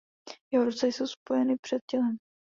Jeho ruce jsou spojeny před tělem.